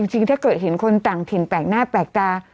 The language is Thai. จริงถ้าเกิดเห็นคนต่างถิ่นแปลกหน้าแปลกตา